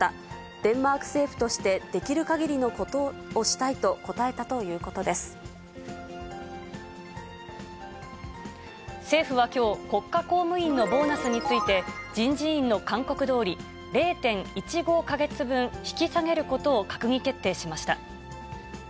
デンマーク政府としてできるかぎりのことをしたいと答えたという政府はきょう、国家公務員のボーナスについて、人事院の勧告どおり、０．１５か月分、引き下げることを閣議決定しました。